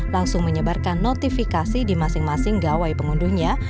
langsung menyebarkan notifikasi di masing masing gawai pengunduhnya